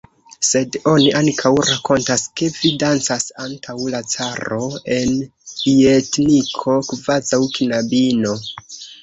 Sed oni ankaŭ rakontas, ke vi dancas antaŭ la caro en ljetniko kvazaŭ knabino!